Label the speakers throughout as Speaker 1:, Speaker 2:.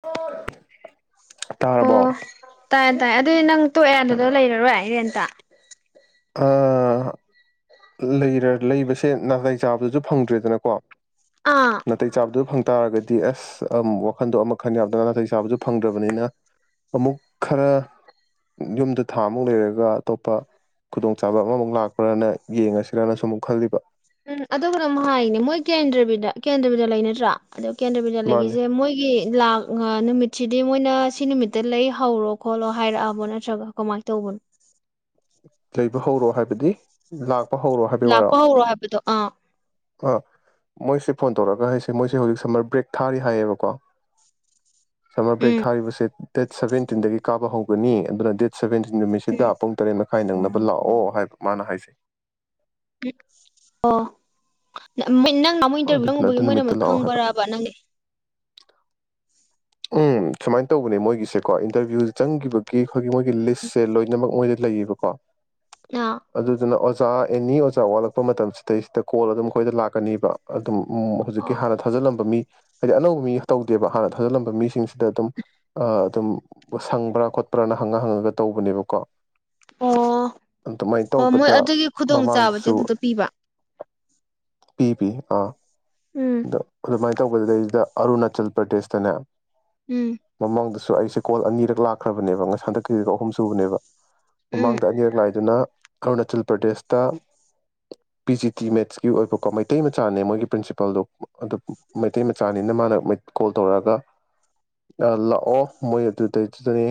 Speaker 1: ꯊꯣꯏ
Speaker 2: ꯑꯣ ꯇꯥꯏꯌꯦ ꯇꯥꯏꯌꯦ ꯑꯗꯨꯗꯤ ꯅꯪ ꯇꯣꯛꯑꯦ ꯑꯗꯨꯗ ꯂꯩꯔꯔꯣꯏ ꯔꯦꯟꯇ [inaudible]
Speaker 1: ꯑꯥ ꯂꯩꯔ ꯂꯩꯕꯁꯦ ꯅꯥꯗꯥꯏ ꯆꯥꯕꯗꯨꯁꯨ ꯐꯪꯗ꯭ꯔꯦꯗꯅꯀꯣ
Speaker 2: ꯑꯥ
Speaker 1: ꯅꯥꯇꯩ ꯆꯥꯕꯗꯨ ꯐꯪ ꯇꯥꯔꯒꯗꯤ ꯑꯁ ꯋꯥꯈꯟꯗꯣ ꯑꯃ ꯈꯟ ꯌꯥꯝꯗꯅ ꯅꯥꯇꯩ ꯆꯥꯕꯁꯨ ꯐꯪꯗ꯭ꯔꯕꯅꯤꯅ ꯑꯃꯨꯛ ꯈꯔ ꯌꯨꯝꯗ ꯊꯥ ꯑꯃꯨꯛ ꯂꯩꯔꯒ ꯑꯇꯣꯞꯄ ꯈꯨꯗꯣꯡꯆꯥꯕ ꯑꯃꯃꯨꯛ ꯂꯥꯛꯄ꯭ꯔꯅ ꯌꯦꯡꯉꯁꯤꯔꯅꯁꯨ ꯑꯃꯨꯛ ꯈꯜꯂꯤꯕ
Speaker 2: ꯎꯝ ꯑ ꯍꯅ ꯑꯃꯨꯛ ꯍꯥꯏꯅꯦ ꯃꯣꯏ ꯀꯦꯟꯗ꯭ꯔꯕꯤꯗ ꯀꯦꯟꯗ꯭ꯔꯕꯤꯗ ꯂꯩ ꯅꯠꯇ꯭ꯔꯣ ꯑꯗꯣ ꯀꯦꯟꯗ꯭ꯔ ꯕꯤꯗ꯭ꯌꯥ
Speaker 1: ꯃꯥꯅꯦ
Speaker 2: ꯂꯩꯒꯤꯁꯦ ꯃꯣꯏꯒꯤ ꯂꯥꯛ ꯅꯨꯃꯤꯠꯁꯤꯗꯤ ꯃꯣꯏꯅ ꯁꯤ ꯅꯨꯃꯤꯠꯇ ꯂꯩ ꯍꯧꯔꯣ ꯈꯣꯠꯂꯣ ꯍꯥꯏꯔꯛꯑꯕꯣ ꯅꯠꯇ꯭ꯔꯒ ꯀꯃꯥꯏꯅ ꯇꯧꯕꯅꯣ
Speaker 1: ꯂꯩꯕ ꯍꯧꯔꯣ ꯍꯥꯏꯕꯗꯤ ꯂꯥꯛ
Speaker 2: ꯂꯥꯛꯄ ꯍꯧꯔꯣ ꯍꯥꯏꯕꯗꯣ ꯑꯥ
Speaker 1: ꯑꯥ ꯃꯣꯏꯁꯦ ꯐꯣꯟ ꯇꯧꯔꯒ ꯍꯥꯏꯁꯦ ꯃꯣꯏꯁꯦ ꯍꯧꯖꯤꯛ ꯁꯝꯃꯔ ꯕ꯭ꯔꯦꯛ ꯊꯥꯔꯤ ꯍꯥꯏꯌꯦꯕꯀꯣ ꯁꯝꯃꯔ ꯕ꯭ꯔꯦꯛ
Speaker 2: ꯎꯝ
Speaker 1: ꯊꯥꯔꯤꯕ ꯁꯤ ꯗꯦꯠ ꯁꯕꯦꯟꯇꯤꯟꯗꯒꯤ ꯀꯥꯕ ꯍꯧꯒꯅꯤ ꯑꯗꯨꯅ ꯗꯦꯠ ꯁꯕꯦꯟꯇꯤꯟ ꯅꯨꯃꯤꯠꯁꯤꯗ ꯑꯄꯨꯡ ꯇꯔꯦꯅ ꯐꯥꯏ ꯅꯪꯅꯕ ꯂꯥꯛꯑꯣ ꯍꯥꯏꯕ ꯃꯥꯅ ꯍꯥꯏꯁꯦ
Speaker 2: ꯎꯝ ꯑꯣ ꯃꯤ ꯅꯪ ꯨꯅꯍꯥꯃꯨꯛ
Speaker 1: ꯑꯗꯨꯗꯨꯅ
Speaker 2: ꯏꯟꯇꯔꯚꯤꯨꯪꯨꯕꯒꯤ
Speaker 1: ꯑꯗꯨ
Speaker 2: ꯃꯣꯏꯅ
Speaker 1: ꯅꯨꯃꯤꯠꯇ
Speaker 2: ꯑꯃ
Speaker 1: ꯂꯥꯛꯑꯣ ꯍꯥꯏꯕ
Speaker 2: ꯈꯪꯕꯕ ꯅꯪꯗꯤ
Speaker 1: ꯎꯝ ꯁꯨꯃꯥꯏꯅ ꯇꯧꯕꯅꯦ ꯃꯣꯏꯒꯤꯁꯦꯀꯣ ꯏꯟꯇꯔꯚꯤꯌꯨ ꯆꯪꯈꯤꯕꯒꯤ ꯑꯩꯈꯣꯏꯒꯤ ꯃꯣꯏꯒꯤ ꯂꯤꯁꯁꯦ ꯂꯣꯏꯅꯃꯛ ꯃꯣꯏꯗ ꯂꯩꯌꯦꯕ ꯀꯣ
Speaker 2: ꯑꯥ
Speaker 1: ꯑꯗꯨꯗꯨꯅ ꯑꯣꯖ ꯑꯣꯖꯥ ꯑꯦꯅꯤ ꯑꯣꯖꯥ ꯋꯥꯠꯂꯛꯄ ꯃꯇꯝꯁꯤꯗꯩꯁꯤꯗ ꯀꯣꯜ ꯑꯗꯨꯝ ꯑꯩꯈꯣꯏꯗ ꯂꯥꯛꯀꯅꯤꯕ ꯑꯗꯨꯝ ꯎꯝ ꯍꯧꯖꯤꯛꯀꯤ
Speaker 2: ꯑꯣ
Speaker 1: ꯍꯥꯟꯅ ꯊꯥꯖꯤꯜꯂꯝꯕ ꯃꯤ ꯍꯥꯏꯗꯤ ꯑꯅꯧꯕ ꯃꯤ ꯇꯧꯗꯦ ꯍꯥꯟꯅ ꯊꯥꯖꯤꯜꯂꯝꯕ ꯃꯤꯁꯤꯡꯁꯤꯗ ꯑꯗꯨꯝ ꯑꯗꯨꯝ ꯁꯪꯕ꯭ꯔꯥ ꯈꯣꯠꯄ꯭ꯔꯥꯅ ꯍꯪꯉ ꯍꯪꯉꯒ ꯇꯧꯕꯅꯦꯕꯀꯣ
Speaker 2: ꯑꯣ
Speaker 1: ꯑꯗꯨꯃꯥꯏꯅ
Speaker 2: ꯑꯣ ꯃꯣꯏ
Speaker 1: ꯇꯧꯕꯗ
Speaker 2: ꯑꯗꯨꯒꯤ ꯈꯨꯗꯣꯡ ꯆꯥꯕꯁꯦ
Speaker 1: ꯃꯃꯥꯡꯗꯁꯨ
Speaker 2: ꯑꯗꯨꯗ ꯄꯤꯕ
Speaker 1: ꯄꯤ ꯕꯤ ꯑꯥ
Speaker 2: ꯎꯝ
Speaker 1: ꯑꯗꯣ ꯑꯗꯨꯃꯥꯏꯅ ꯇꯧꯕ ꯂꯩꯗ ꯑꯔꯨꯅꯥꯆꯜ ꯄ꯭ꯔꯗꯦꯁꯇꯅꯦ
Speaker 2: ꯎꯝ
Speaker 1: ꯃꯃꯥꯡꯗ ꯑꯩꯁꯦ ꯀꯣꯜ ꯑꯅꯤꯔꯛ ꯂꯥꯛꯈ꯭ꯔꯕꯅꯦꯕ ꯍꯟꯗꯛ ꯀꯤꯁꯤꯅ ꯑꯍꯨꯝ ꯁꯨꯕꯅꯦꯕ
Speaker 2: ꯎꯝ
Speaker 1: ꯃꯃꯥꯡꯗ ꯑꯅꯤꯔꯛ ꯂꯥꯛꯏꯗꯨꯅ ꯑꯔꯨꯅꯥꯆꯜ ꯄ꯭ꯔꯗꯦꯁꯇ ꯄꯤ ꯖꯤ ꯇꯤ ꯃꯦꯠꯁꯀꯤ ꯑꯣꯏꯕꯀꯣ ꯃꯩꯇꯩ ꯃꯆꯥꯅꯦ ꯃꯣꯏꯒꯤ ꯄ꯭ꯔꯤꯟꯁꯤꯄꯥꯜꯗꯣ ꯑꯗꯨ ꯃꯩꯇꯩ ꯃꯆꯥꯅꯤꯅ ꯃꯥꯅ ꯀꯣꯜ ꯇꯧꯔꯛꯑꯒ ꯂꯥꯛꯑꯣ ꯃꯣꯏ ꯑꯗꯨꯗꯩꯗꯨꯗꯅꯦ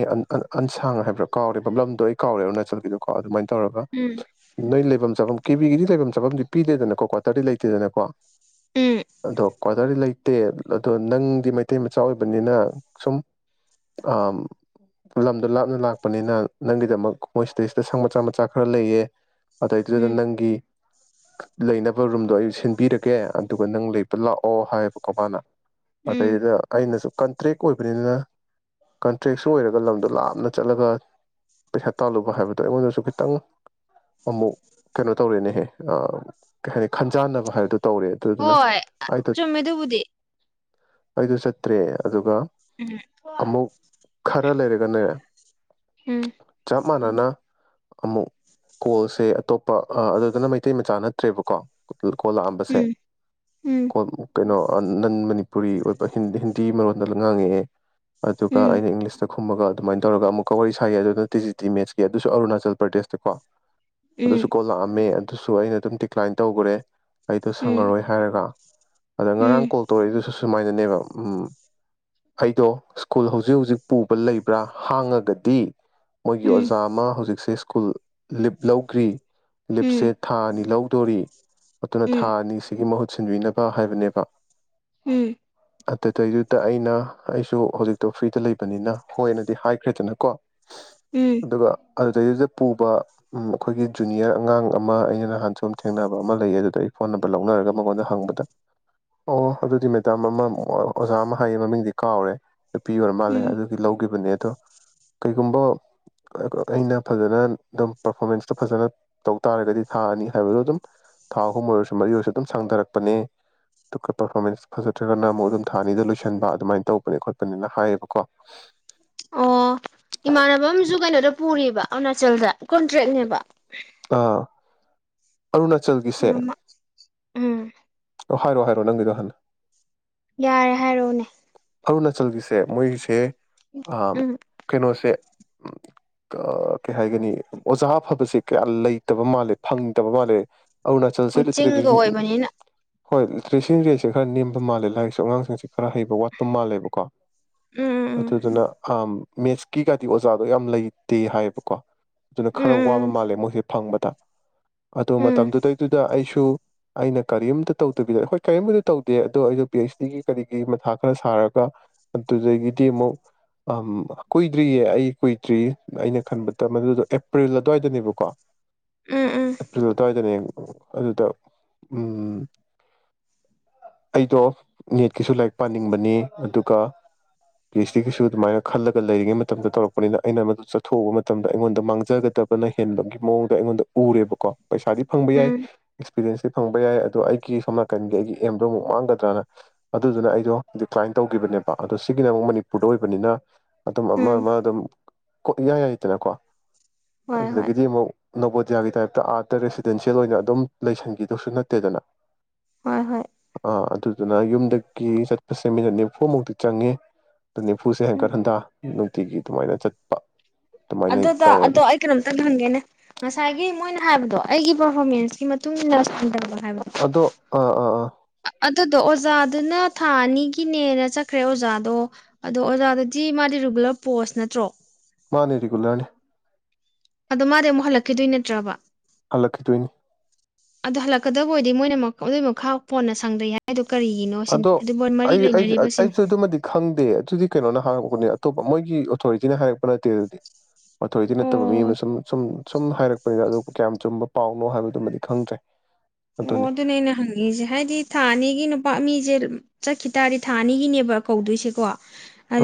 Speaker 1: ꯑꯟꯁꯥꯡ ꯍꯥꯏꯕ꯭ꯔꯥ ꯀꯥꯎꯔꯦꯕ ꯂꯝꯗꯣ ꯑꯩ ꯀꯥꯎꯔꯦ ꯑꯔꯨꯅꯥꯆꯜꯒꯤꯗꯣ ꯀꯣ ꯑꯗꯨꯃꯥꯏꯅ ꯇꯧꯔꯒ
Speaker 2: ꯎꯝ
Speaker 1: ꯅꯣꯏ ꯂꯩꯐꯝ ꯆꯥꯐꯝ ꯀꯦꯕꯤꯒꯤꯗꯤ ꯂꯩꯐꯝ ꯆꯥꯐꯝꯗꯤ ꯄꯤꯗꯦꯗꯅꯀꯣ ꯀ꯭ꯋꯥꯇꯔꯗꯤ ꯂꯩꯇꯦꯗꯅꯀꯣ
Speaker 2: ꯎꯝ
Speaker 1: ꯑꯗꯣ ꯑꯣꯗꯔꯗꯤ ꯂꯩꯇꯦ ꯑꯗꯣ ꯅꯪꯗꯤ ꯃꯩꯇꯩ ꯃꯆꯥ ꯑꯣꯏꯕꯅꯤꯅ ꯁꯨꯝ ꯑꯥ ꯂꯝꯗꯣ ꯂꯥꯞꯅ ꯂꯥꯛꯄꯅꯤꯅ ꯅꯪꯒꯤꯗꯃꯛ ꯃꯣꯏ ꯁꯤꯗꯩꯁꯤꯗ ꯁꯪ ꯃꯆꯥ ꯃꯆꯥ ꯈꯔ ꯂꯩꯌꯦ ꯑꯗꯩꯗꯨꯗ
Speaker 2: ꯎꯝ
Speaker 1: ꯅꯪꯒꯤ ꯂꯩꯅꯕ ꯔꯨꯝꯗꯣ ꯑꯩ ꯁꯤꯟꯕꯤꯔꯒꯦ ꯑꯗꯨꯒ ꯅꯪ ꯂꯩ ꯗ ꯂꯥꯛꯑꯣ ꯍꯥꯏꯌꯦꯕꯀꯣ ꯃꯥꯅ
Speaker 2: ꯎꯝ
Speaker 1: ꯑꯩꯗꯩꯗ ꯑꯩꯅꯁꯨ ꯀꯟꯇ꯭ꯔꯦꯛ ꯑꯣꯏꯕꯅꯤꯅ ꯀꯟꯇ꯭ꯔꯦꯛꯁꯨ ꯑꯣꯏꯔꯒ ꯂꯝꯗꯣ ꯂꯥꯞꯅ ꯆꯠꯂꯒ ꯄꯩꯁꯥ ꯇꯥꯜꯂꯨꯕ ꯍꯥꯏꯕꯗꯣ ꯑꯩꯉꯣꯟꯗꯁꯨ ꯈꯤꯇꯪ ꯑꯃꯨꯛ ꯀꯩꯅꯣ ꯇꯧꯔꯦꯅꯦꯍꯦ ꯀꯩ ꯍꯥꯏꯅꯤ ꯈꯟꯖꯥꯟꯅꯕ ꯍꯥꯏꯕꯗꯣ ꯇꯧꯔꯦ ꯑꯗꯨꯗꯨꯅ
Speaker 2: ꯆꯨꯝꯃꯦꯗꯨꯕꯨꯗꯤ
Speaker 1: ꯑꯩꯗꯨ ꯆꯠꯇ꯭ꯔꯦ ꯑꯗꯨꯒ
Speaker 2: ꯎꯝ
Speaker 1: ꯑꯃꯨꯛ ꯈꯔ ꯂꯩꯔꯒꯅꯦ ꯆꯞ
Speaker 2: ꯎꯝ
Speaker 1: ꯆꯞ ꯃꯥꯟꯅꯅ ꯑꯃꯨꯛ ꯀꯣꯜꯁꯦ ꯑꯇꯣꯞꯄ ꯑ ꯑꯗꯨꯗꯅ ꯃꯩꯇꯩ ꯃꯆꯥ ꯅꯠꯇ꯭ꯔꯦꯕꯀꯣ ꯀꯣꯜ ꯂꯥꯛꯑꯝꯕꯁꯦ
Speaker 2: ꯎꯝ ꯎꯝ
Speaker 1: ꯀꯣꯟ ꯀꯩꯅꯣ ꯑꯥ ꯅꯟ ꯃꯅꯤꯄꯨꯔꯤ ꯑꯣꯏꯕ ꯍꯤꯟ ꯍꯤꯟꯗꯤ ꯃꯔꯣꯟꯗ ꯉꯥꯡꯉꯛꯑꯦ ꯑꯗꯨꯒ
Speaker 2: ꯎꯝ
Speaker 1: ꯑꯩꯅ ꯏꯪꯂꯤꯁꯇ ꯈꯨꯝꯃꯒ ꯑꯗꯨꯃꯥꯏꯅ ꯇꯧꯔꯒ ꯑꯃꯨꯛꯀ ꯋꯥꯔꯤ ꯁꯥꯥꯏꯌꯦ ꯑꯗꯨꯗ ꯇꯤ ꯖꯤ ꯇꯤ ꯃꯦꯠꯁꯀꯤ ꯑꯗꯨꯁꯨ ꯑꯔꯨꯅꯥꯆꯜ ꯄ꯭ꯔꯗꯦꯁꯇꯀꯣ
Speaker 2: ꯎꯝ
Speaker 1: ꯑꯗꯨꯁꯨ ꯀꯣꯜ ꯂꯥꯛꯑꯝꯃꯦ ꯑꯗꯨꯁꯨ ꯑꯩꯅ ꯑꯗꯨꯝ ꯗꯤꯀ꯭ꯂꯥꯏꯟ ꯇꯧꯒꯔꯦ ꯑꯩꯗꯣ
Speaker 2: ꯎꯝ
Speaker 1: ꯁꯪꯉꯔꯣꯏ ꯍꯥꯏꯔꯒ ꯑꯗ
Speaker 2: ꯎꯝ ꯎꯝ
Speaker 1: ꯉꯔꯥꯡ ꯀꯣꯜ ꯇꯧꯔꯛꯏꯗꯨ__ ꯁꯨꯃꯥꯏꯅꯅꯦꯕ ꯎꯝ ꯑꯩꯗꯣ ꯁ꯭ꯀꯨꯜ ꯍꯧꯖꯤꯛ ꯍꯧꯖꯤꯛ ꯄꯨꯕ ꯂꯩꯕ꯭ꯔꯥ ꯍꯥꯡꯉꯒꯗꯤ ꯃꯣꯏꯒꯤ
Speaker 2: ꯎꯝ
Speaker 1: ꯑꯣꯖꯥ ꯑꯃ ꯍꯧꯖꯤꯛꯁꯦ ꯁ꯭ꯀꯨꯜ ꯂꯤꯞ ꯂꯧꯈ꯭ꯔꯤ ꯂꯤꯞꯁꯦ ꯊꯥ ꯑꯅꯤ ꯂꯧꯗꯣꯔꯤ ꯑꯗꯨꯅ ꯊꯥ ꯑꯅꯤꯁꯤꯒꯤ ꯃꯍꯨꯠ ꯁꯤꯟꯕꯤꯅ ꯕ ꯍꯥꯏꯕꯅꯦꯕ
Speaker 2: ꯎꯝ
Speaker 1: ꯑꯗꯨꯗꯩꯗꯨꯗ ꯑꯩꯅ ꯑꯩꯁꯨ ꯍꯧꯖꯤꯛꯇꯣ ꯐ꯭ꯔꯤꯗ ꯂꯩꯕꯅꯤꯅ ꯍꯣꯏꯅꯗꯤ ꯍꯥꯏꯈ꯭ꯔꯦꯗꯅꯀꯣ
Speaker 2: ꯎꯝ
Speaker 1: ꯑꯗꯨꯒ ꯑꯗꯨꯗꯩꯗꯨꯗ ꯄꯨꯕ ꯎꯝ ꯑꯩꯈꯣꯏꯒꯤ ꯖꯨꯅꯤꯌꯔ ꯑꯉꯥꯡ ꯑꯃ ꯑꯩꯅ ꯅꯍꯥꯟ ꯁꯨꯝ ꯊꯦꯡꯅꯕ ꯑꯃ ꯂꯩꯌꯦ ꯑꯗꯨꯗ ꯑꯩ ꯐꯣꯟ ꯅꯝꯕꯔ ꯂꯧꯅꯔꯒ ꯃꯉꯣꯟꯗ ꯍꯪꯕꯗ ꯑꯣ ꯑꯗꯨꯗꯤ ꯃꯦꯗꯥꯝ ꯑꯃ ꯑꯣꯖꯥ ꯑꯃ ꯍꯥꯏꯌꯦ ꯃꯃꯤꯡꯗꯤ ꯀꯥꯎꯔꯦ ꯅꯨꯄꯤ ꯑꯣꯏꯔ ꯃꯥꯜꯂꯦ
Speaker 2: ꯎꯝ
Speaker 1: ꯑꯗꯨꯗꯤ ꯂꯧꯒꯤꯕꯅꯦ ꯑꯗꯣ ꯀꯩꯒꯨꯝꯕ ꯑ ꯑꯩꯅ ꯐꯖꯅ ꯑꯗꯨꯝ ꯄꯔꯐꯣꯔꯃꯦꯟꯁꯇꯣ ꯐꯖꯅ ꯇꯧ ꯇꯥꯔꯒꯗꯤ ꯊꯥ ꯑꯅꯤ ꯍꯥꯏꯕꯗꯣ ꯑꯗꯨꯝ ꯊꯥ ꯑꯍꯨꯝ ꯑꯣꯏꯔꯁꯨ ꯃꯔꯤ ꯑꯣꯏꯔꯁꯨ ꯑꯗꯨꯝ ꯁꯥꯡꯊꯔꯛꯄꯅꯦ ꯑꯗꯨꯒ ꯄꯔꯐꯣꯔꯃꯦꯟꯁ ꯐꯖꯗ꯭ꯔꯒꯅ ꯑꯃꯨꯛ ꯑꯗꯨꯝ ꯊꯥ ꯑꯅꯤꯗ ꯂꯣꯏꯁꯤꯟꯕ ꯑꯗꯨꯃꯥꯏꯅ ꯇꯧꯕꯅꯦ ꯈꯣꯠꯄꯅꯦꯅ ꯍꯥꯏꯌꯦꯕꯀꯣ
Speaker 2: ꯑꯣ ꯏꯃꯥꯟꯅꯕ ꯑꯝꯁꯨ ꯀꯩꯅꯣꯗ ꯄꯨꯔꯤꯕ ꯑꯔꯨꯅꯥꯆꯜꯗ ꯀꯣꯟꯇ꯭ꯔꯦꯛꯅꯦꯕ
Speaker 1: ꯑꯥ ꯑꯔꯨꯅꯥꯆꯜꯒꯤꯁꯦ
Speaker 2: ꯎꯝ ꯎꯝ
Speaker 1: ꯑꯣ ꯍꯥꯏꯔꯣ ꯍꯥꯏꯔꯣ ꯅꯪꯒꯤꯗꯣ ꯍꯥꯟꯅ
Speaker 2: ꯌꯥꯔꯦ ꯍꯥꯏꯔꯛꯎꯅꯦ
Speaker 1: ꯑꯔꯨꯅꯥꯆꯜꯒꯤꯁꯦ ꯃꯣꯏꯒꯤꯁꯦ ꯑꯥ
Speaker 2: ꯎꯝ
Speaker 1: ꯀꯩꯅꯣꯁꯦ ꯀ ꯀꯩ ꯍꯥꯏꯒꯅꯤ ꯑꯣꯖꯥ ꯑꯐꯕꯁꯦ ꯀꯌꯥ ꯂꯩꯇꯕ ꯃꯥꯜꯂꯦ ꯐꯪ ꯇꯕ ꯃꯥꯜꯂꯦ ꯑꯔꯨꯅꯥꯆꯜꯁꯦ
Speaker 2: ꯍꯣꯏ
Speaker 1: ꯔꯤꯇ꯭ꯔꯤꯔꯤ
Speaker 2: ꯆꯤꯡꯒ ꯑꯣꯏꯕꯅꯤꯅ
Speaker 1: ꯍꯣꯏ ꯂꯤꯇ꯭ꯔꯔꯦꯁꯤ ꯔꯦꯠꯁꯦ ꯈꯔ ꯅꯦꯝꯕ ꯃꯥꯜꯂꯦ ꯂꯥꯏꯔꯤꯛꯁꯨ ꯑꯉꯥꯡꯁꯤꯡꯁꯨ ꯈꯔ ꯍꯩꯕ ꯋꯥꯠꯄ ꯃꯥꯜꯂꯦꯕꯀꯣ
Speaker 2: ꯎꯝ ꯎꯝ
Speaker 1: ꯑꯗꯨꯗꯨꯅ ꯑꯝ ꯃꯦꯠꯁꯀꯤꯒꯗꯤ ꯑꯣꯖꯥꯗꯣ ꯌꯥꯝ ꯂꯩꯇꯦ ꯍꯥꯏꯌꯦꯕꯀꯣ ꯑꯗꯨꯅ ꯈꯔ ꯋꯥꯕ
Speaker 2: ꯎꯝ
Speaker 1: ꯃꯥꯜꯂꯦ ꯃꯣꯏꯁꯦ ꯐꯪꯕꯗ ꯑꯗꯣ
Speaker 2: ꯎꯝ
Speaker 1: ꯃꯇꯝꯗꯨꯗꯩꯗꯨꯗ ꯑꯩꯁꯨ ꯁꯨ ꯑꯩꯅ ꯀꯔꯤꯝꯇ ꯇꯧꯗꯕꯤꯗ ꯍꯣꯏ ꯀꯔꯤꯝꯕꯨꯗꯤ ꯇꯧꯗꯦ ꯑꯗꯣ ꯑꯩꯗꯣ ꯄꯤ ꯍꯩꯆ ꯗꯤꯒꯤ ꯀꯔꯤ ꯀꯔꯤꯒꯤ ꯃꯊꯥ ꯈꯔ ꯁꯥꯔꯒ ꯑꯗꯨꯗꯒꯤꯗꯤ ꯑꯃꯨꯛ ꯑꯝ ꯀꯨꯏꯗ꯭ꯔꯤꯌꯦ ꯑꯩ ꯀꯨꯏꯗ꯭ꯔꯤ ꯑꯩꯅ ꯈꯟꯕꯗ ꯃꯗꯨꯗꯣ ꯑꯦꯄ꯭ꯔꯤꯜ ꯑꯗꯨꯋꯥꯏꯗꯅꯦꯕꯀꯣ
Speaker 2: ꯎꯝ ꯎꯝ
Speaker 1: ꯑꯦꯄ꯭ꯔꯤꯜ ꯑꯗꯨꯋꯥꯏꯗꯅꯦꯕ ꯑꯗꯨꯗ ꯎꯝ ꯑꯩꯗꯣ ꯅꯦꯠꯀꯤꯁꯨ ꯂꯥꯏꯔꯤꯛ ꯄꯥꯅꯤꯡꯕꯅꯦ ꯑꯗꯨꯒ ꯄꯤ ꯍꯩꯁ ꯗꯤꯒꯤꯁꯨ ꯑꯗꯨꯃꯥꯏꯅ ꯈꯜꯂꯒ ꯂꯩꯔꯤꯉꯩ ꯃꯇꯝꯗ ꯇꯧꯔꯛꯄꯅꯤꯅ ꯑꯩꯅ ꯃꯗꯨ ꯆꯠꯊꯣꯛꯎꯕ ꯃꯇꯝꯗ ꯑꯩꯉꯣꯟꯗ ꯃꯥꯡꯖꯒꯗꯕꯅ ꯍꯦꯟꯕꯒꯤ ꯃꯑꯣꯡꯗ ꯑꯩꯉꯣꯟꯗ ꯎꯔꯦꯕꯀꯣ ꯄꯩꯁꯥꯗꯤ ꯐꯪꯕ ꯌꯥꯏ
Speaker 2: ꯎꯝ
Speaker 1: ꯑꯦꯛꯁꯄꯤꯔꯤꯌꯦꯟꯁ ꯐꯪꯕ ꯌꯥꯏ ꯑꯗꯣ ꯑꯩꯒꯤ ꯁꯣꯝ ꯅꯥꯀꯟꯒꯤ ꯑꯩꯒꯤ ꯑꯦꯝꯗꯣ ꯑꯃꯨꯛ ꯃꯥꯡꯒꯗ꯭ꯔꯅ ꯑꯗꯨꯗꯨꯅ ꯑꯩꯗꯣ ꯗꯤꯀ꯭ꯂꯥꯏꯟ ꯇꯧꯈꯤꯕꯅꯦꯕ ꯑꯗꯣ ꯁꯤꯒꯤꯅ ꯑꯃꯨꯛ ꯃꯅꯤꯄꯨꯔꯗ ꯑꯣꯏꯕꯅꯤꯅ ꯑꯗꯨꯝ ꯑꯃ
Speaker 2: ꯎꯝ
Speaker 1: ꯑꯃ ꯑꯗꯨꯝ ꯀꯣ ꯏꯌꯥ ꯌꯥꯏꯗꯅꯀꯣ
Speaker 2: ꯍꯣꯏ ꯍꯣꯏ
Speaker 1: ꯑꯗꯨꯗꯒꯤꯗꯤ ꯑꯃꯨꯛ ꯅꯕꯣꯗꯤꯌꯥꯒꯤ ꯇꯥꯏꯞꯇ ꯑꯥꯗ ꯔꯦꯁꯤꯗꯦꯟꯁꯤꯌꯦꯜ ꯑꯣꯏꯅ ꯑꯗꯨꯝ ꯂꯩꯁꯤꯟꯈꯤꯗꯧꯁꯨ ꯅꯠꯇꯦꯗꯅ
Speaker 2: ꯍꯣꯏ ꯍꯣꯏ
Speaker 1: ꯑꯥ ꯑꯗꯨ ꯑꯗꯨꯅ ꯌꯨꯝꯗꯒꯤ ꯆꯠꯄꯁꯦ ꯃꯤꯅꯠ ꯅꯤꯐꯨ ꯃꯨꯛꯇꯤ ꯆꯪꯉꯦ ꯅꯤꯐꯨꯁꯦ
Speaker 2: ꯎꯝ
Speaker 1: ꯍꯟꯀꯠ ꯍꯟꯊ ꯑꯗꯨꯝ ꯅꯨꯡꯇꯤꯒꯤ ꯑꯗꯨꯃꯥꯏꯅ ꯆꯠꯄ ꯑꯗꯨꯃꯥꯏꯅ
Speaker 2: ꯑꯗꯨꯗ ꯑꯗꯣ
Speaker 1: ꯇꯧꯔꯅꯤ
Speaker 2: ꯑꯩ ꯀꯩꯅꯣꯝꯇꯪꯒ ꯍꯪꯒꯦꯅꯦ ꯉꯁꯥꯏꯒꯤ ꯃꯣꯏꯅ ꯍꯥꯏꯕꯗꯣ ꯑꯩꯒꯤ ꯄꯔꯐꯣꯔꯃꯦꯟꯁꯀꯤ ꯃꯇꯨꯡ ꯏꯟꯅ ꯁꯥꯡ ꯗꯕ
Speaker 1: ꯑꯗꯣ ꯑꯥ ꯑꯥ ꯑꯥ
Speaker 2: ꯑꯗꯨꯗꯣ ꯑꯣꯖꯥꯗꯨꯅ ꯊꯥ ꯑꯅꯤꯒꯤꯅꯦꯅ ꯆꯠꯈ꯭ꯔꯦ ꯑꯣꯖꯥꯗꯣ ꯑꯗꯣ ꯑꯣꯖꯥꯗꯨꯗꯤ ꯃꯥꯗꯤ ꯔꯤꯒꯨꯂꯔ ꯄꯣꯁ ꯅꯠꯇ꯭ꯔꯣ
Speaker 1: ꯃꯥꯅꯦ ꯔꯤꯒꯨꯂꯔꯅꯦ
Speaker 2: ꯑꯗꯣ ꯃꯥꯗꯤ ꯑꯃꯨꯛ ꯍꯜꯂꯛꯈꯤꯗꯣꯏ ꯅꯠꯇ꯭ꯔꯕ
Speaker 1: ꯍꯜꯂꯛꯈꯤ ꯗꯣꯏꯅꯤ
Speaker 2: ꯑꯗꯣ ꯍꯜꯂꯛꯀꯗꯕ ꯑꯣꯏꯔꯗꯤ ꯃꯣꯏꯅ ꯑꯗꯨꯏ ꯃꯈꯥ ꯄꯣꯟꯅ ꯁꯪꯡꯗꯩ ꯍꯥꯢꯗꯣ
Speaker 1: ꯑꯗꯣ ꯑꯩ ꯑꯩꯁꯨ ꯑꯗꯨꯃꯗꯤ ꯈꯪꯗꯦ ꯑꯗꯨꯗꯤ ꯀꯩꯅꯣꯅ ꯍꯥ ꯑꯇꯣꯞꯄ ꯃꯣꯏꯒꯤ ꯑꯣꯊꯣꯔꯤꯇꯤꯅ ꯍꯥꯏꯔꯛꯄ ꯅꯠꯇꯦ ꯑꯗꯨꯗꯤ ꯑꯣꯊꯣꯔꯤꯇꯤ ꯅꯠꯇꯕ ꯃꯤ
Speaker 2: ꯑꯣ
Speaker 1: ꯑꯃꯅ ꯁꯨꯝ ꯁꯨꯝ ꯁꯨꯝ ꯍꯥꯏꯔꯛꯄꯅꯤꯗ ꯑꯗꯨ ꯀꯌꯥꯝ ꯆꯨꯝꯕ ꯄꯥꯎꯅꯣ ꯍꯥꯏꯕꯗꯨꯃꯗꯤ ꯈꯪꯗ꯭ꯔꯦ
Speaker 2: ꯑꯣ
Speaker 1: ꯑꯗꯨꯅꯤ
Speaker 2: ꯑꯗꯨꯅꯦ ꯑꯩꯅ ꯍꯪꯅꯤꯡꯏꯁꯦ ꯍꯥꯏꯗꯤ ꯊꯥ ꯑꯅꯤꯒꯤ ꯅꯨꯄꯥ ꯃꯤꯁꯦ ꯆꯠꯈꯤ ꯇꯥꯔꯗꯤ ꯊꯥ ꯑꯅꯤꯒꯤꯅꯦꯕ ꯀꯧꯗꯣꯏꯁꯦꯀꯣ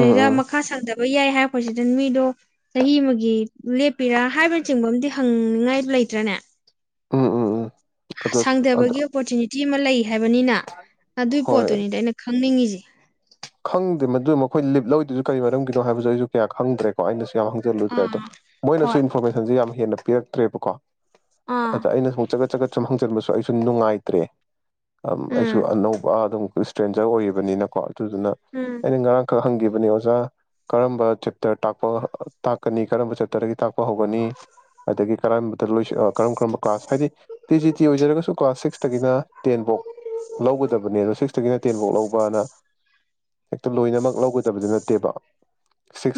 Speaker 1: ꯎꯝ ꯎꯝ
Speaker 2: ꯃꯈꯥ ꯁꯥꯡꯗꯕ ꯂꯣꯏ ꯌꯥꯏ ꯍꯥꯏꯔꯛꯄꯁꯤꯗ ꯃꯤꯗꯣ ꯆꯍꯤ ꯑꯃꯒꯤ ꯂꯦꯞꯄꯤꯔꯥ ꯍꯥꯏꯕꯅ ꯆꯤꯡꯕ ꯑꯝ ꯍꯪꯅꯤꯉꯥꯏ ꯂꯩꯇ꯭ꯔꯅꯦ
Speaker 1: ꯎꯝ ꯎꯝ ꯎꯝ ꯑꯗꯣ ꯑꯗꯣ
Speaker 2: ꯁꯥꯡꯗꯕꯒꯤ ꯑꯣꯄꯣꯔꯆꯨꯅꯤꯇꯤ ꯑꯃ ꯂꯩ ꯍꯥꯏꯕꯅꯤꯅ ꯑꯗꯨꯏ
Speaker 1: ꯍꯣꯏ
Speaker 2: ꯄꯣꯠꯇꯨꯅꯤꯗꯤ ꯑꯩꯅ ꯈꯪꯅꯤꯡꯉꯤꯁꯦ [inaudible]
Speaker 1: ꯈꯪꯗꯦ ꯃꯗꯨ ꯃꯈꯣꯏ ꯂꯤꯞ ꯂꯧꯔꯤꯗꯨꯁꯨ ꯀꯔꯤ ꯃꯔꯝꯒꯤꯅꯣ ꯍꯥꯏꯕꯁꯨ ꯑꯩꯁꯨ ꯀꯌꯥ ꯈꯪꯗ꯭ꯔꯦꯀꯣ ꯑꯩꯅ ꯌꯥꯝ ꯍꯪꯖꯜꯂꯨꯗ꯭ꯔꯦ ꯑꯗꯣ
Speaker 2: ꯑꯥ
Speaker 1: ꯃꯣꯏꯅꯁꯨ
Speaker 2: ꯍꯣꯏ
Speaker 1: ꯏꯟꯐꯣꯔꯃꯦꯁꯟꯁ ꯌꯥꯝ ꯍꯦꯟꯅ ꯄꯤꯔꯛꯇ꯭ꯔꯦꯕꯀꯣ
Speaker 2: ꯑꯥ
Speaker 1: ꯑ ꯑꯩꯅ ꯁꯨꯝ ꯆꯒꯠ ꯆꯒꯠ ꯁꯨꯝ ꯍꯪꯖꯟꯕꯁꯨ ꯑꯩꯁꯨ ꯅꯨꯡꯉꯥꯏꯇ꯭ꯔꯦ ꯑꯩꯁꯨ
Speaker 2: ꯎꯝ
Speaker 1: ꯑꯅꯧꯕ ꯑꯗꯨꯝ ꯏꯁꯇ꯭ꯔꯦꯟꯖꯔ ꯑꯣꯏꯔꯤꯕꯅꯤꯅꯀꯣ ꯑꯗꯨꯗꯨꯅ
Speaker 2: ꯎꯝ
Speaker 1: ꯑꯩꯅ ꯉ ꯈ ꯍꯪꯈꯤꯕꯅꯦ ꯑꯣꯖꯥ ꯀꯔꯝꯕ ꯆꯦꯞ ꯇ꯭ꯔ ꯇꯥꯛꯄ ꯇꯥꯛꯀꯅꯤ ꯀꯔꯝꯕ ꯆꯦꯞꯇꯔꯗꯒꯤ ꯇꯥꯛ ꯄ ꯍꯧꯒꯅꯤ ꯑꯗꯒꯤ ꯀꯔꯝ ꯇꯂꯣꯏꯁ ꯑ ꯀꯔꯝ ꯀꯔꯝꯕ ꯀ꯭ꯂꯥꯁ ꯍꯥꯏꯗꯤ ꯇꯤ ꯖꯤ ꯇꯤ ꯑꯣꯏꯖꯔꯒꯁꯨ ꯀ꯭ꯂꯥꯁ ꯁꯤꯛꯁꯇꯒꯤꯅ ꯇꯦꯟꯐꯥꯎ ꯂꯧꯒꯗꯕꯅꯦꯅ ꯁꯤꯛꯁꯇꯒꯤꯅ ꯇꯦꯟꯐꯧ ꯂꯧꯕꯅ ꯍꯦꯛꯇ ꯂꯣꯏꯅꯃꯛ ꯂꯧꯒꯗꯕꯗꯤ ꯅꯠꯇꯦꯕ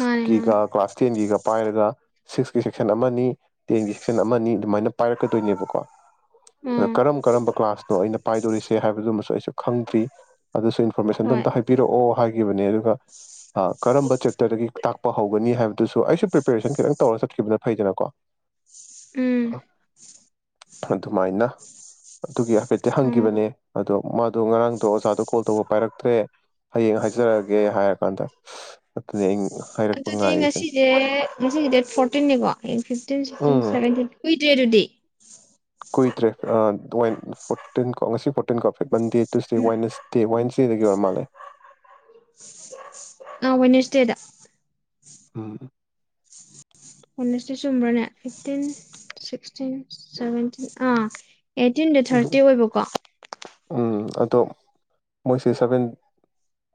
Speaker 2: ꯃꯥꯅꯦ ꯃꯥꯅꯦ
Speaker 1: ꯀ꯭ꯂꯥꯁ ꯇꯦꯟꯒꯤꯒ ꯄꯥꯏꯔꯒ ꯁꯤꯛꯁꯀꯤ ꯁꯦꯛꯁꯟ ꯑꯃꯅꯤ ꯇꯦꯟꯒꯤ ꯁꯦꯛꯁꯟ ꯑꯃꯅꯤ ꯑꯗꯨꯃꯥꯏꯅ ꯄꯥꯏꯔꯛꯀꯗꯣꯏꯅꯦꯕꯀꯣ ꯑꯗꯣ
Speaker 2: ꯎꯝ
Speaker 1: ꯀꯔꯝ ꯀꯔꯝꯕ ꯀ꯭ꯂꯥꯁꯅꯣ ꯑꯩꯅ ꯄꯥꯏꯗꯣꯔꯤꯁꯦ ꯍꯥꯏꯕꯗꯨꯃꯁꯨ ꯑꯩꯁꯨ ꯈꯪꯗ꯭ꯔꯤ ꯑꯗꯨꯁꯨ ꯏꯟꯐꯣꯔꯃꯦꯁꯟꯗꯣ
Speaker 2: ꯍꯣꯏ
Speaker 1: ꯑꯝꯇ ꯍꯥꯏ ꯄꯤꯔꯛꯑꯣ ꯍꯥꯏꯈꯤꯕꯅꯦ ꯑꯗꯨꯒ ꯑ ꯀꯔꯝꯕ ꯆꯦꯞꯇꯔꯗꯒꯤ ꯇꯥꯛꯄ ꯍꯧꯒꯅꯤ ꯍꯥꯏꯕꯗꯨꯁꯨ ꯑꯩꯁꯨ ꯄ꯭ꯔꯤꯄꯦꯔꯦꯁꯟ ꯈꯤꯇꯪ ꯇꯧꯔꯒ ꯆꯠꯈꯤꯕꯅ ꯐꯩꯗꯅꯀꯣ
Speaker 2: ꯎꯝ
Speaker 1: ꯑꯗꯨꯃꯥꯏꯅ ꯑꯗꯨꯒꯤ ꯍꯥꯏꯐꯦꯠꯇꯤ
Speaker 2: ꯎꯝ
Speaker 1: ꯍꯪꯈꯤꯕꯅꯦ ꯑꯗꯣ ꯃꯥꯗꯣ ꯉꯔꯥꯡꯗꯣ ꯑꯣꯖꯥꯗꯣ ꯀꯣꯜ ꯇꯧꯕ ꯄꯥꯏꯔꯛꯇ꯭ꯔꯦ ꯍꯌꯦꯡ ꯍꯥꯏꯖꯔꯛꯑꯒꯦ ꯍꯥꯏꯔ ꯀꯥꯟꯗ
Speaker 2: ꯑꯗꯨꯗꯤ
Speaker 1: ꯉꯥꯏꯔꯤꯁꯤꯅꯤ
Speaker 2: ꯉꯁꯤꯁꯦ ꯉꯁꯤꯖꯦ ꯗꯦꯠ ꯐꯣꯔꯇꯤꯟꯅꯤꯀꯣ ꯍꯌꯦꯡ ꯐꯤꯞꯇꯤꯟ ꯁꯤꯛꯁꯇꯤꯟ
Speaker 1: ꯎꯝ
Speaker 2: ꯁꯥꯚꯦꯟꯇꯤꯟ ꯀꯨꯏ ꯗꯦ ꯑꯗꯨꯗꯤ
Speaker 1: ꯀꯨꯏꯗꯔꯦ ꯑ [unintelligible] ꯐꯣꯔꯇꯤꯟ ꯀꯣ ꯉꯁꯤ ꯐꯣꯔꯇꯤꯟ ꯀꯣ ꯐꯤ ꯃꯟꯗꯦ ꯇꯨꯁꯇꯦ ꯋꯥꯏꯅꯁꯇꯦ ꯋꯥꯏꯅꯁ ꯁꯤꯗꯒꯤ ꯑꯣꯏꯔ ꯃꯥꯂꯦ
Speaker 2: ꯑ ꯋꯥꯏꯅꯁꯇꯦꯗ
Speaker 1: ꯎꯝ
Speaker 2: ꯋꯥꯏꯅꯁꯇꯦ ꯆꯨꯝꯕ꯭ꯔꯅꯦ ꯐꯤꯞꯇꯤꯟ ꯁꯤꯛꯇꯤꯟ ꯁꯚꯦꯟꯇꯤꯟ ꯑꯥ ꯑꯩꯠꯇꯤꯟꯗꯣ ꯊ꯭ꯔꯥꯁꯇꯦ ꯑꯣꯏꯕꯀꯣ
Speaker 1: ꯎꯝ ꯑꯗꯣ ꯃꯣꯏꯁꯦ ꯁꯚꯦꯟ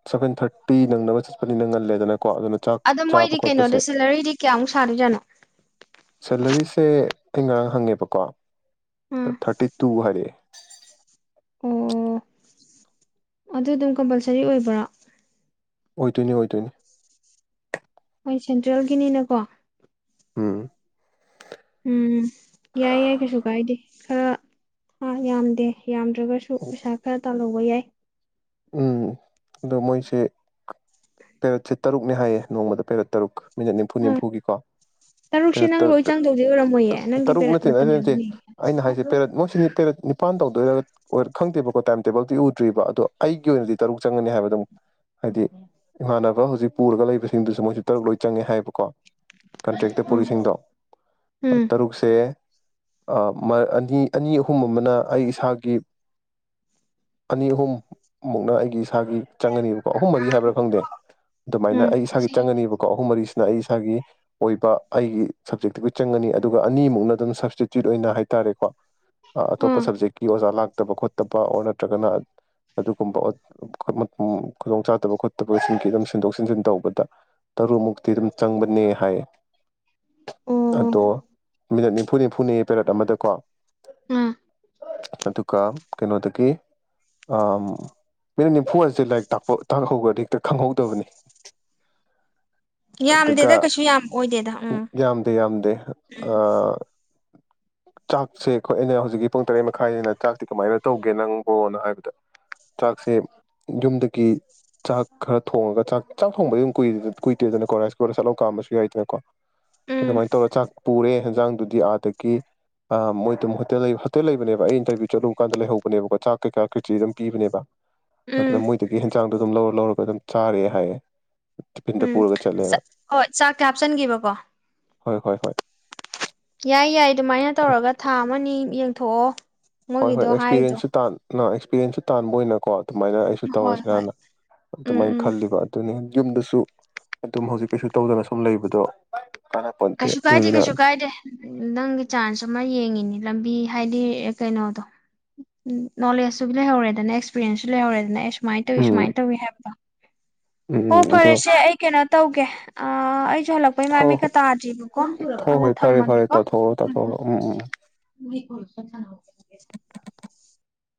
Speaker 1: ꯁꯚꯦꯟ ꯊꯥꯔꯇꯤ ꯅꯪꯅꯕ ꯆꯠꯄꯅꯤꯅ ꯉꯜꯂꯦꯗꯅ
Speaker 2: ꯑꯗ ꯃꯣꯏꯗꯤ ꯀꯩꯅꯣꯗ ꯁꯦꯂꯔꯤꯗꯤ ꯀꯌꯥꯃꯨꯛ ꯁꯥꯗꯣꯏꯖꯥꯅꯣ
Speaker 1: ꯁꯦꯂꯔꯤꯁꯦ ꯑꯩ ꯉꯔꯥꯡ ꯍꯪꯉꯦꯕꯀꯣ
Speaker 2: ꯎꯝ
Speaker 1: ꯊꯥꯔꯇꯤ ꯄꯨ ꯍꯥꯏꯔꯛꯑꯦ
Speaker 2: ꯑꯣ ꯑꯗꯨ ꯑꯗꯨꯝ ꯀꯝꯄꯜꯁꯔꯤ ꯑꯣꯏꯕ꯭ꯔꯥ꯫
Speaker 1: ꯑꯣꯏꯗꯣꯏꯅꯤ ꯑꯣꯏꯗꯣꯏꯅꯤ꯫
Speaker 2: ꯍꯣꯏ ꯁꯦꯟꯇ꯭ꯔꯦꯜꯒꯤꯅꯤꯅꯀꯣ
Speaker 1: ꯎꯝ
Speaker 2: ꯎꯝ ꯌꯥꯏ ꯌꯥꯏ ꯀꯩꯁꯨ ꯀꯥꯏꯗꯦ ꯈꯔ ꯍꯥ ꯌꯥꯝꯗꯦ꯫ ꯌꯥꯝꯗ꯭ꯔꯒꯁꯨ ꯄꯩꯁꯥ ꯈꯔ ꯇꯥꯜꯍꯧ꯫ ꯑꯣꯏ ꯌꯦ
Speaker 1: ꯎꯝ ꯑꯗꯣ ꯃꯣꯏꯁꯦ ꯄꯦꯔꯠꯁꯦ ꯇꯔꯨꯛꯅꯦ ꯍꯥꯏꯌꯦ ꯅꯣꯡꯃꯗ ꯄꯦꯔꯠ ꯇꯔꯨꯛ꯫ ꯃꯤꯅꯠ ꯅꯤꯝꯐꯨ
Speaker 2: ꯑꯥ
Speaker 1: ꯅꯤꯝꯐꯨꯒꯤꯀꯣ
Speaker 2: ꯇꯔꯨꯛꯁꯦ
Speaker 1: ꯄꯦꯔꯠ
Speaker 2: ꯅꯪ
Speaker 1: ꯇꯔꯨꯛ
Speaker 2: ꯂꯣꯏ
Speaker 1: ꯇ
Speaker 2: ꯆꯪꯗꯧꯗꯤ ꯑꯣꯏꯔꯝꯃꯣꯏꯌꯦ ꯅꯪꯒꯤ
Speaker 1: ꯇꯔꯨꯛ
Speaker 2: ꯄꯦꯔꯠ
Speaker 1: ꯅꯠꯇꯦ
Speaker 2: ꯃꯇꯝ
Speaker 1: ꯅꯠꯇꯦ ꯅꯠꯇꯦ
Speaker 2: ꯌꯥꯝꯒꯅꯤ
Speaker 1: ꯑꯩꯅ ꯍꯥꯏꯁꯦ ꯄꯦꯔꯠ ꯃꯣꯏꯁꯤꯗꯤ ꯄꯦꯔꯠ ꯅꯤꯄꯥꯟ ꯇꯧꯗꯣꯏꯔ ꯑꯣꯏꯔ ꯈꯪꯗꯦꯕꯀꯣ ꯇꯥꯏꯝ ꯇꯦꯕꯜꯗꯤ ꯎꯗ꯭ꯔꯤꯕ ꯑꯗꯣ ꯑꯩꯒꯤ ꯑꯣꯏꯅꯗꯤ ꯇꯔꯨꯛ ꯆꯪꯒꯅꯤ ꯍꯥꯏꯕ ꯑꯗꯨꯝ ꯍꯥꯏꯗꯤ ꯏꯃꯥꯟꯅꯕ ꯍꯧ꯫ ꯍꯧꯖꯤꯛ ꯄꯨꯔꯒ ꯂꯩꯕꯁꯤꯡꯗꯨꯁꯨ ꯃꯣꯏꯁꯨ ꯇꯔꯨꯛ ꯂꯣꯏ ꯆꯪꯉꯦ ꯍꯥꯏꯕꯀꯣ꯫ ꯀꯟꯇ꯭ꯔꯦꯛꯇ
Speaker 2: ꯎꯝ
Speaker 1: ꯄꯨꯔꯤꯁꯤꯡꯗꯣ
Speaker 2: ꯎꯝ
Speaker 1: ꯇꯔꯨꯛꯁꯦ꯫ ꯃꯥ ꯑ ꯑꯅꯤ ꯑꯅꯤ ꯑꯍꯨꯝ ꯑꯃꯅ ꯑꯩ ꯏꯁꯥꯒꯤ ꯑꯅꯤ ꯑꯍꯨꯝ꯫ ꯃꯨꯛꯅ ꯑꯩꯒꯤ꯫ ꯏꯁꯥꯒꯤ ꯆꯪꯉꯅꯤꯕꯀꯣ ꯑꯍꯨꯝ ꯃꯔꯤ ꯍꯥꯏꯕ꯭ꯔꯥ ꯈꯪꯗꯦ ꯑꯗꯨꯃꯥꯏꯅ
Speaker 2: ꯎꯝ
Speaker 1: ꯑꯩ ꯏꯁꯥꯒꯤ ꯆꯪꯉꯅꯤꯕꯀꯣ ꯑꯍꯨꯝ ꯃꯔꯤꯁꯤ꯫ ꯅ ꯑꯩ ꯏꯁꯥꯒꯤ ꯑꯣꯏꯕ ꯑꯩꯒꯤ ꯁꯞꯖꯦꯛꯇꯕꯨ ꯆꯪꯉꯅꯤ ꯑꯗꯨꯒ ꯑꯅꯤꯃꯨꯛꯅ ꯑꯗꯨꯝ ꯁꯞꯁꯇꯤꯇ꯭ꯌꯨꯠ ꯑꯣꯏꯅ ꯍꯥꯏꯇꯥꯔꯦꯀꯣ ꯑ ꯑꯇꯣꯞꯄ
Speaker 2: ꯑꯥ
Speaker 1: ꯁꯞꯖꯦꯛꯀꯤ ꯑꯣꯖꯥ ꯂꯥꯛ꯫ ꯐꯠꯇꯕ ꯈꯣꯠꯇꯕ ꯑꯣꯔ ꯅꯠꯇ꯭ꯔꯒꯅ ꯑꯗꯨꯒꯨꯝꯕ ꯑꯣꯠ ꯎꯝ ꯈꯨꯗꯣꯡ ꯆꯥꯗꯕ ꯈꯣꯠꯇꯕꯁꯤꯡꯒꯤ ꯑꯗꯨꯝ ꯁꯤꯟꯗꯣꯛ ꯁꯤꯟꯖꯤꯟ ꯇꯧꯕꯗ ꯇꯔꯨꯃꯨꯛꯇꯤ ꯑꯗꯨꯝ ꯆꯪꯕꯅꯦ ꯍꯥꯏꯑꯦ꯫
Speaker 2: ꯑꯣ
Speaker 1: ꯑꯗꯣ꯫ ꯃꯤꯅꯠ ꯅꯤꯐꯨ ꯅꯤꯝꯐꯨꯅꯤ ꯄꯦꯔꯦꯠ ꯑꯃꯗꯀꯣ꯫
Speaker 2: ꯎꯝ
Speaker 1: ꯑꯗꯨꯒ ꯀꯩꯅꯣꯗꯒꯤ꯫ ꯑꯥ ꯎꯝ ꯃꯤꯅꯤꯠ ꯅꯤꯝꯐꯨꯔ ꯍꯥꯏꯁꯦ ꯂꯥꯏꯔꯤꯛ ꯇꯥꯛꯄ ꯇꯥꯛꯍꯧꯈ꯭ꯔꯗꯤ ꯍꯦꯛꯇ ꯈꯪꯍꯧꯗꯕꯅꯤ꯫ ꯑꯗꯨꯒ
Speaker 2: ꯌꯥꯝꯗꯦꯗ ꯀꯩꯁꯨ ꯌꯥꯝ ꯑꯣꯏꯗꯦꯗ ꯎꯝ
Speaker 1: ꯌꯥꯝꯗꯦ ꯌꯥꯝꯗꯦ ꯑꯥ꯫ ꯆꯥꯛꯁꯦ ꯑꯩꯈꯣꯏ ꯑꯩꯅ ꯍꯧꯖꯤꯛꯀꯤ ꯄꯨꯡ ꯇꯔꯦꯠ ꯃꯈꯥꯏꯅꯤꯅ ꯆꯥꯛꯇꯤ ꯀꯃꯥꯏꯅ ꯇꯧꯒꯦ ꯅꯪꯕꯣꯅ ꯍꯥꯏꯕꯗ꯫ ꯆꯥꯛꯁꯦ ꯌꯨꯝꯗꯒꯤ ꯆꯥꯛ ꯈꯔ ꯊꯣꯡꯉꯒ ꯆꯥꯛ ꯆꯥꯛ ꯊꯣꯡꯕ ꯀꯨꯏꯗꯣꯏꯗꯅꯀꯣ ꯔꯥꯏꯁ ꯀꯨꯀꯔꯗ ꯁꯠ ꯂꯥꯎꯅ ꯀꯥꯝꯝꯕꯁꯨ ꯌꯥꯏꯗꯅꯀꯣ꯫
Speaker 2: ꯎꯝ
Speaker 1: ꯑꯗꯨꯃꯥꯏꯅ ꯇꯧꯔ ꯆꯥꯛ ꯄꯨꯔꯦ ꯍꯟꯖꯥꯡꯗꯨꯗꯤ ꯑꯥꯗꯒꯤ ꯃꯣꯏ ꯑꯗꯨꯝ ꯍꯣꯇꯦꯜ ꯍꯣꯇꯦꯜ ꯂꯩꯕꯅꯦꯕ ꯑꯩ ꯏꯟꯇꯔꯚꯤꯌꯨ ꯆꯠꯂꯨꯕ ꯀꯥꯟꯗ ꯂꯩꯍꯧꯕꯅꯦꯕꯀꯣ ꯆꯥꯛ ꯀꯩꯀꯥ ꯈꯦꯆ꯭ꯔꯤ ꯑꯗꯨꯝ꯫ ꯄꯤꯕꯅꯦꯕ꯫
Speaker 2: ꯎꯝ
Speaker 1: ꯑꯗꯨꯅ ꯃꯣꯏꯗꯒꯤ ꯍꯦꯟꯖꯥꯡ꯫ ꯑꯗꯨꯝ ꯂꯧꯔ ꯂꯧꯔꯒ ꯑꯗꯨꯝ ꯆꯥꯔꯦ ꯍꯥꯏꯌꯦ ꯇꯤꯐꯤꯟꯗ
Speaker 2: ꯎꯝ
Speaker 1: ꯄꯨꯔꯒ ꯆꯠꯂꯦꯅ
Speaker 2: ꯆꯠ ꯍꯣꯏ ꯆꯥꯛꯇ ꯍꯥꯞꯆꯤꯟꯈꯤꯕꯀꯣ꯫
Speaker 1: ꯍꯣꯏ ꯍꯣꯏ ꯍꯣꯏ꯫
Speaker 2: ꯌꯥꯏ ꯌꯥꯏ ꯑꯗꯨꯃꯥꯏꯅ ꯇꯧꯔꯒ ꯊꯥ ꯑꯃ ꯅꯤ ꯌꯦꯡ ꯊꯣꯛꯑꯣ꯫
Speaker 1: ꯍꯣꯏ ꯍꯣꯏ ꯑꯦꯛꯁꯄꯤꯔꯦꯟꯁꯁꯨ ꯇꯥꯟ ꯅꯣ ꯑꯦꯛꯁꯄꯤꯔꯌꯦꯟꯁꯁꯨ ꯇꯥꯟꯕ ꯑꯣꯏꯅꯀꯣ ꯑꯗꯨꯃꯥꯏꯅ ꯑꯩꯁꯨ
Speaker 2: ꯍꯣꯏ ꯍꯣꯏ
Speaker 1: ꯇꯧꯔꯁꯤꯔꯅ
Speaker 2: ꯎꯝ
Speaker 1: ꯑꯗꯨꯃꯥꯏꯅ
Speaker 2: ꯎꯝ
Speaker 1: ꯈꯜꯂꯤꯕ ꯑꯗꯨꯅꯤ ꯌꯨꯝꯗꯁꯨ ꯑꯗꯨꯝ ꯍꯧꯖꯤꯛ ꯀꯩꯁꯨ ꯇꯧꯗꯅ ꯁꯨꯝ ꯂꯩꯕꯗꯣ ꯀꯥꯟꯅꯄꯣꯟꯇꯦ
Speaker 2: ꯀꯩꯁꯨ ꯀꯥꯏꯗꯦ
Speaker 1: ꯑꯗꯨꯗꯨꯅ
Speaker 2: ꯀꯩꯁꯨ ꯀꯥꯏꯗꯦ ꯅꯪꯒꯤ ꯆꯥꯟꯁ ꯑꯃ ꯌꯦꯡꯉꯤꯅꯤ ꯂꯝꯕꯤ ꯍꯥꯏꯗꯤ ꯀꯩꯅꯣꯗꯣ ꯅꯣꯂꯦꯖꯁꯨ ꯂꯩꯍꯧꯔꯦꯗꯅ ꯑꯦꯛꯁꯄꯤꯔꯤꯌꯦꯦꯟꯁꯁꯨ ꯂꯩꯍꯧꯔꯦꯗꯅ ꯑꯦ ꯁꯨꯃꯥꯏ ꯇꯧꯋꯤ
Speaker 1: ꯎꯝ
Speaker 2: ꯁꯨꯥꯏ ꯇꯧꯋ ꯍꯥꯏꯗꯣ
Speaker 1: ꯎꯝ
Speaker 2: ꯍꯣ
Speaker 1: ꯎꯝ ꯑꯗꯣ
Speaker 2: ꯐꯔꯁꯦ ꯑ ꯀꯦꯅ ꯇꯧꯒꯦ ꯑꯥ ꯑꯩ ꯇꯧ ꯍꯥꯂꯛꯄꯒꯤ ꯃꯥꯏ
Speaker 1: ꯍꯣꯏ
Speaker 2: ꯃꯤꯠꯀ
Speaker 1: ꯍꯣꯏ
Speaker 2: ꯇꯥꯗ꯭ꯔꯤꯕꯀꯣ
Speaker 1: ꯍꯣꯏ
Speaker 2: ꯑꯗꯣ
Speaker 1: ꯍꯣꯏ ꯐꯔꯦ ꯐꯔꯦ
Speaker 2: ꯊꯝꯃꯒꯦꯀꯣ
Speaker 1: ꯇꯊꯔꯣ ꯇꯧꯔꯣ ꯎꯝ ꯎꯝ
Speaker 2: ꯋꯤꯛ ꯀꯣꯜ ꯑꯥꯛꯇ ꯁꯟꯅꯍꯧꯒꯦ ꯔꯀꯦꯁ ꯃꯤꯀꯥ